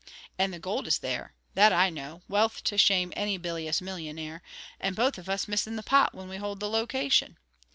An' the gold is there; that I know, wealth to shame any bilious millionaire, and both of us missing the pot when we hold the location.